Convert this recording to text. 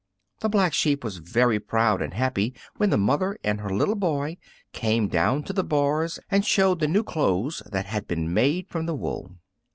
The Black Sheep was very proud and happy when the mother and her little boy came down to the bars and showed the new clothes that had been made from the wool.